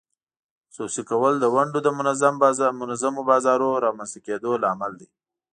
خصوصي کول د ونډو د منظم بازارونو رامینځته کېدو لامل دی.